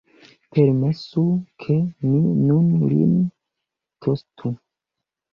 Permesu, ke mi nun lin tostu!